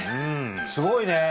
すごいね！